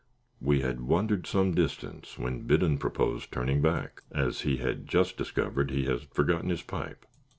We had wandered some distance, when Biddon proposed turning back, as he had just discovered he had forgotten his pipe.